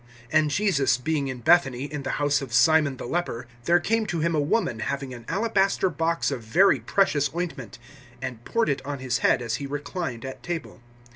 (6)And Jesus being in Bethany, in the house of Simon the leper, (7)there came to him a woman having an alabaster box of very precious ointment, and poured it on his head as he reclined at table.